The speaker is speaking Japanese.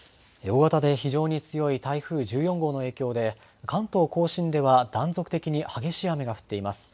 大型で非常に強い台風１４号の影響で、関東甲信では断続的に激しい雨が降っています。